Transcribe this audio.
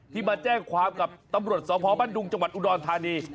มาแจ้งความกับตำรวจสพบ้านดุงจังหวัดอุดรธานี